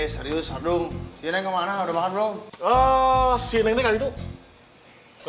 serius adung si neng kemana